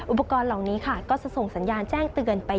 อุปกรณ์เหล่านี้ค่ะก็จะส่งสัญญาณแจ้งเตือนไป